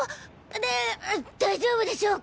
だ大丈夫でしょうか。